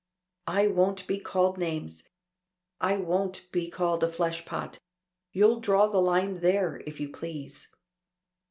"I won't be called names. I won't be called a fleshpot. You'll draw the line there if you please."